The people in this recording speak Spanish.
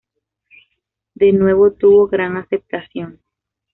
De nuevo tuvo gran aceptación.